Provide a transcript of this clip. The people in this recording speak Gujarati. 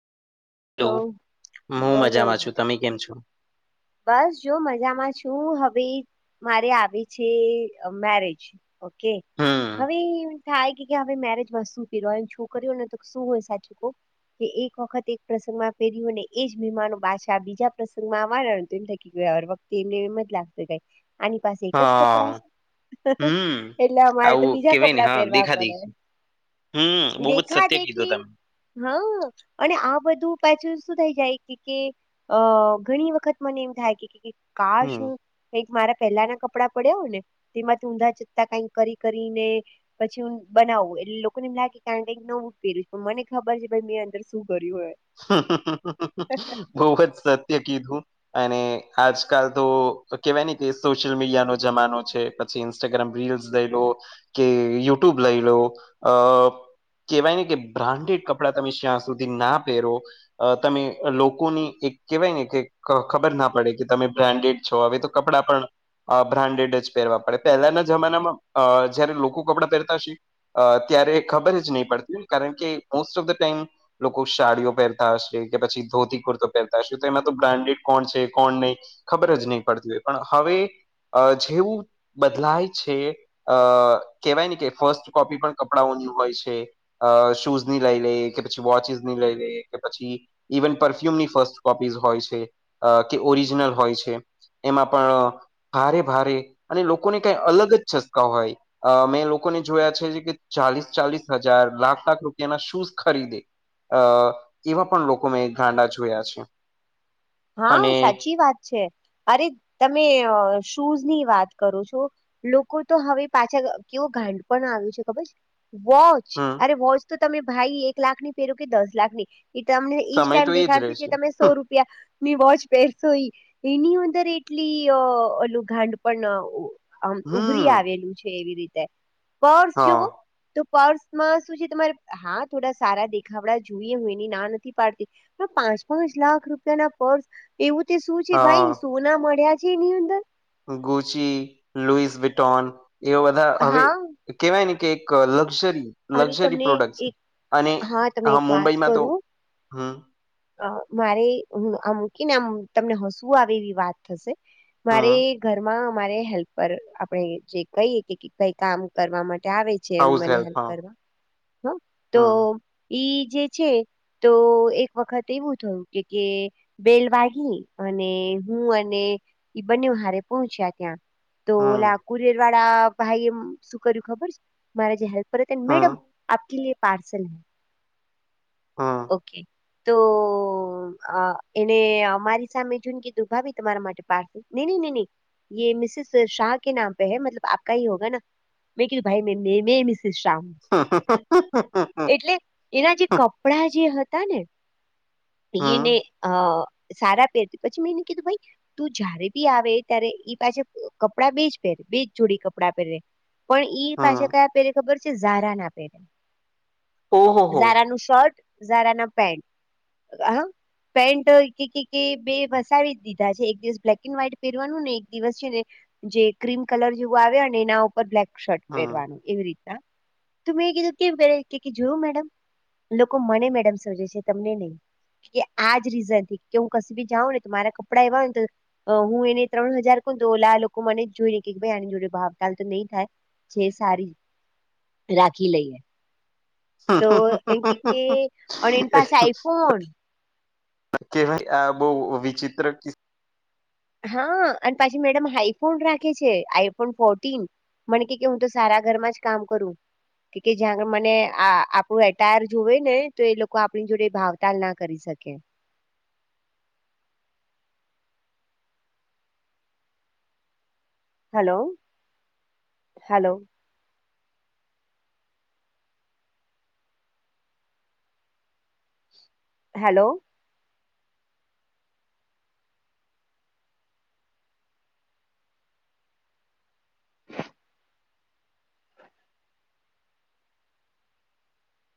તો હું બોલો મજામાં છું તમે કેમ છો. બસ જો મજામાં છું હવે મારે આવી છે મેરેજ. ઓકે હમ હવે કે હવે મેરેજમાંતુ કર શું કર્યું ને તો શું હોય સાચું કહુ કે એક વખત એક પ્રસંગમાં પેર્યુંને એજ બીમાન પાછા બીજા પ્રસંગમાં એ થકી [unintelligible] વખતે એમને એમજ લાગશે આની પાસે એકજ કપડાં હા છે. હમ એટલે અમારે તો આવું બીજા કેવાય ને કપડા હા પહેરવા દેખા પણે. દેખી હમ બઉ બ જ સત્ય કીધું તમે હા અને આ બધું પાછું શું થઈ જાય કે કે અ ઘણી વખત. મને એમ થાય કે કા હમ શું. કઈક મારા પહેલાના કપડાં પડ્યા હોય ને તેમાં ઊંધા જતા કઈક કરી કરીને. પછી હું બનાવું એટલે લોકોને એમ લાગે કારણ કે નવું પહેર્યું પણ મને ખબર છે ભાઈ મેં અંદર શું કર્યું હોય. બહુ જ સત્ય કીધું અને આજકાલ તો કેવાય ને કે સોશિયલ મીડિયાનોો જમાનો છે. પછી ઇન્સ્ટાગ્રામ રીલ્સ લઈ લો કે યુટ્યુબ લઈ લો અ. કહેવાય ને કે બ્રાન્ડેડ કપડાં તમે શ્યાં સુધી ના પહેરો. અ તમે લોકોની એક કેહેવાય ને કે ખબર ના પડે કે તમે બ્રાન્ડેડ છો હવે તો કપડાં પણ અ બ્રાન્ડેડ જ પહેરવા પડે પહેલાના જમાનામાં જયારે લોકો કપડાં પહેરતા છે અ ત્યારે ખબર જ નહી પડતી કારણ કે મોસ્ટ ઓફ ધ ટાઈમ શડીઓ પહેરતા હશે કે પછી ધોતી કુર્તો પહેરતા હશે તો એમાં તો બ્રાન્ડેડ કોણ છે કોણ નહીં ખબર જ નહી પડતી હોય પણ હવે જેવું બદલાય છે અ કેહેવાય ને કે ફર્સ્ટ કોપી પણ કપડાઓની હોય છે અ શૂઝ ની લઈ લઈ કે પછી વોચિસ લ કે પછી ઇવન પરફ્યુમ ની ફ કોપીઝ હોય છે અ કે ઓરિજનલ હોય છે એમાં પણ ભારે ભારે અને લોકોને કઈ અલગ જ છસકા હોય અ મેં લોકોને જોયા છે કે ચાલીસ ચાલીસ હજાર લાખ લાખ રૂપિયાના શૂઝ ખરીદે અ એવા પણ લોકો મેં ગાંડા જોયા છે હા અને સાચી વાત છે અરે તમે શૂઝ ની વાત કરો છો લોકો તો હવે પાછા કેવો ગાંડ પણ આવ્યું છે ખબર વોચ હમ અરે વોચ તો તમે ભાઈ એક લાખ ની પેર કે દસ લાખ ની એ તમને ઈજ સમય તો ટાઈમ એજ દેખાડશે જે રહેશે તમે સો રૂપિયા ની વોચ પહેરસ એની અંદર એટલી અલું ઘાંડ પણ આમ ઉભરી હમ આવેલું છે એવી રીતે પર્સ હા જોવો તો પર્સમાં શું છે તમારે હા થોડા સારા દેખાવડા જોઈએ હું એની ના નથી પાડતી પણ પાંચ પાંચ લાખ રૂપિયાના એવું તે શું છે ભાઈ હા સોના મળ્યા છે એની અંદર ગુચી લુઈસ વિટોન એવા બધા હવે હા કેહેવાય ને કે એક લક્ઝરી અરે લક્ઝરી તમને પ્રોડક્ટસ અને એક તમને હા એક વાત મુંબઈમાં તો કરું હમ અ મારે આ મૂકીને આમ તમને હસવું આવે એવી વાત થશે મારે હમ ઘરમાં અમારે હેલ્પર આપણે જે કહીએ કે કઈ કામ કરવા માટે આવે મ હાઉસ હેલ્પ હા કરવા તો હમ ઈ જે છે તો એક એક વખત એવું થયું કે બેલ વાગી અને હું અને ઈ બંને હારે પહોંચ્યા ત્યાં તો હમ લાકુરર વાળા ભાઈ એમ શું કર્યું ખબર છે મારા જે હેલ્પ મેડમ હમ આપ કે લ પાર્સલ હ હમ ઓકે તો એને અમારી સામે જૂનગી દુભાવી તમારા માટે પારસે મિસિસ શા કે નામ પે હૈ મતલબ આપકા હ હોગ ના મેં કીું ભાઈને મે મિસિસ શમ હ એટલે એના જે કપડા જે હતા ને એને હમ અ સારા પહેરતી પછી મેં એને કીધું ભાઈ તું જયારે બી આવે ત્યારે ઈ પાછ કપડા બેજ પહેરે બેજ જોડી કપડાં પહેરે પણ ઈ પાછા હમ કયા પેરે ખબર છે ઝારા ના પેરે ઓહો હો ઝારાનું શર્ટ ઝારા ના પેન્ટ હ પેન્ટ ઈ કે કે બે વસાવી દીધા છે એક દિવસ બ્લેક એન્ડ વ્હાઈટ પહેરવાનું ને એક દિવસ છે ને જે ક્રીમ કલર જેવું આવે અને એના ઉપર બ્લેક શર્ટ હમ પહેરવાનું એવી રીતના તો મેં કીધું કેમ કરે જોયું મેડમ લોકો મને મેડમ સર્જે છે તમને નહી કે આજ રીઝન થી કે હું કશી બી જાઉં ને તો મારા કપડાં એવા તો હું એને ત્રણ હજાર કઉ ને તો ઓલા લોકો મને જ જોઈ ને કે ભાઈ આની જોડે ભાવ ચાલ તો નહી થાય છે સારી રાખી લઈએ તો એમ કે કે અને એની પાસે આઈફોન કે ભાઈ આ બહુ વિચિત્ર હા અને પાછી મેડમ આઈફોન રાખે છે આઈફોન ફોર્ટીન. મને કે કે હું તો સારા ઘરમાં જ કામ કરું. કે જ્યાં આગળ મને આપણું એટાયર જોવે ને તો એ લોકો આપણી જોડે ભાવતાલ ના કરી શકે. Hello hello. હેલો.